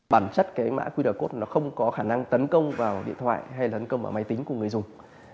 bản chất mã qr không có khả năng tấn công vào điện thoại hay máy tính của người dùng